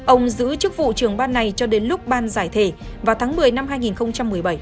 ông giữ chức vụ trưởng ban này cho đến lúc ban giải thể vào tháng một mươi năm hai nghìn một mươi bảy